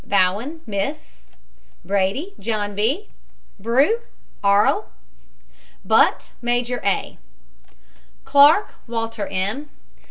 BOWEN, MISS. BRADY, JOHN B. BREWE, ARLBLIR J. BUTT, MAJOR A. CLARK, WALTER M.